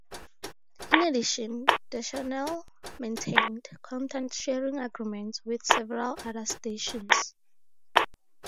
In addition, the channel maintained content sharing agreements with several other stations.